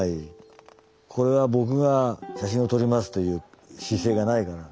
これは僕が写真を撮りますという姿勢がないから。